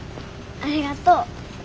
ありがとう。